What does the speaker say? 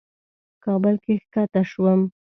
کابل کې کښته شوم.